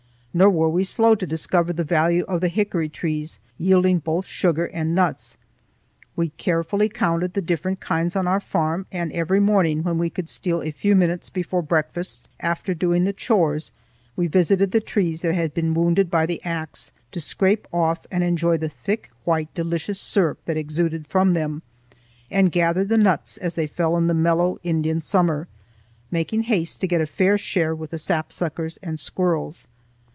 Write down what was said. Nor were we slow to discover the value of the hickory trees yielding both sugar and nuts. We carefully counted the different kinds on our farm, and every morning when we could steal a few minutes before breakfast after doing the chores, we visited the trees that had been wounded by the axe, to scrape off and enjoy the thick white delicious syrup that exuded from them, and gathered the nuts as they fell in the mellow Indian summer, making haste to get a fair share with the sapsuckers and squirrels.